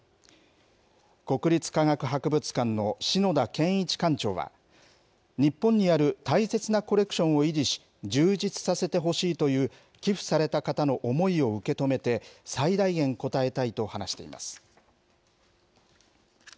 国立科学博物館の篠田謙一館長は、日本にある大切なコレクションを維持し、充実させてほしいという、寄付された方の思いを受け止めて、最大限応えたいと話しています。